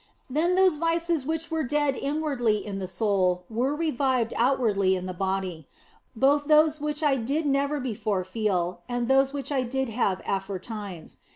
Then those vices which were dead inwardly in the soul were revived outwardly 16 THE BLESSED ANGELA in the body, both those which I did never before feel and those which I did have aforetimes.